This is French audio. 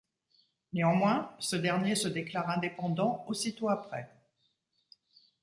Néanmoins, ce dernier se déclare indépendant aussitôt après.